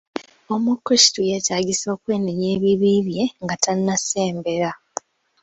Omukrisitu yeetaagisa okwenenya ebibi bye nga tannasembera.